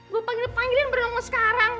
gua panggil panggilin berlengu sekarang